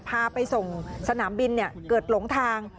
พาไปส่งสนามบินเกิดหลงทาง